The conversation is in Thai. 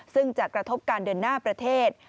ซึ่งจะกระทบการเดินหน้าประเทศ